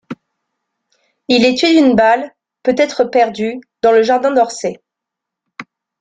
Il est tué d’une balle – peut-être perdue - dans le jardin d’Orsay.